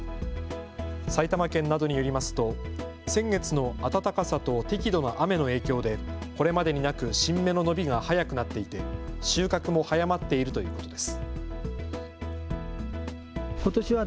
埼玉県などによりますと先月の暖かさと適度な雨の影響でこれまでになく新芽の伸びが早くなっていて収穫も早まっているということです。